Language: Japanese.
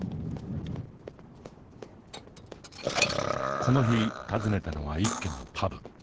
この日訪ねたのは一軒のパブ。